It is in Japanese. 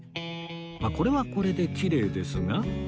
これはこれできれいですが